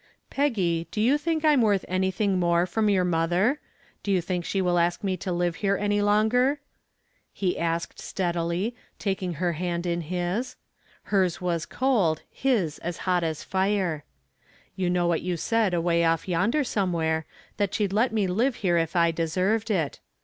"Peggy, do you think I'm worth anything more from your mother? Do you think she will ask me to live here any longer?" he asked, steadily, taking her hand in his. Hers was cold, his as hot as fire. "You know what you said away off yonder somewhere, that she'd let me live here if I deserved it.